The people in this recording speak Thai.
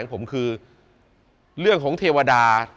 จงเป็นมหามงคลประสิทธิ์ปราศาสตร์